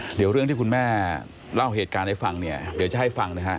เดี๋ยวเรื่องที่คุณแม่เล่าเหตุการณ์ให้ฟังเนี่ยเดี๋ยวจะให้ฟังนะฮะ